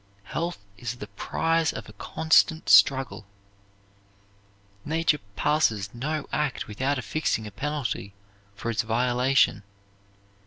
Health is the prize of a constant struggle. Nature passes no act without affixing a penalty for its violation.